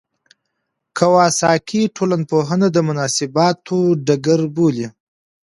کواساکي ټولنپوهنه د مناسباتو ډګر بولي.